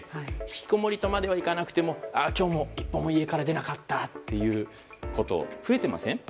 ひきこもりとまではいかなくても今日も一歩も家から出なかったということ増えていませんか。